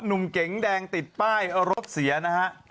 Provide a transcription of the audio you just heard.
หนุ่มเก๋งแตงติดป้ายรถเสียนะฮะ